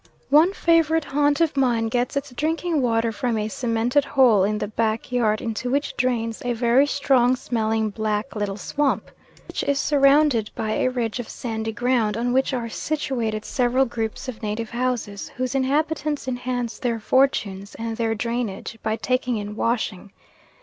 One favourite haunt of mine gets its drinking water from a cemented hole in the back yard into which drains a very strong smelling black little swamp, which is surrounded by a ridge of sandy ground, on which are situated several groups of native houses, whose inhabitants enhance their fortunes and their drainage by taking in washing.